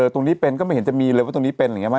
ตรงนี้เป็นก็ไม่เห็นจะมีเลยว่าตรงนี้เป็นอย่างนี้ไหม